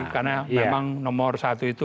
karena memang nomor satu itu